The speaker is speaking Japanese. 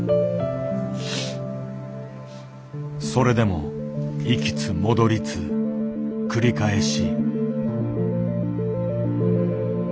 それでも行きつ戻りつ繰り返し。